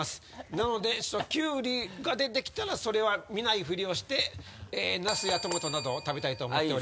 なのでキュウリが出てきたらそれは見ないふりをしてナスやトマトなどを食べたいと思っております。